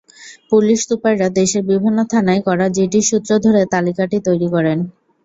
Police সুপাররা দেশের বিভিন্ন থানায় করা জিডির সূত্র ধরে তালিকাটি তৈরি করেন।